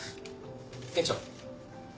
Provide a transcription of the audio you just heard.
店長。